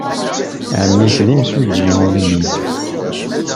Ɛemmi-s d imsujji ummil.